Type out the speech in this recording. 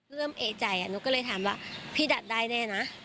เอกใจหนูก็เลยถามว่าพี่ดัดได้แน่นะ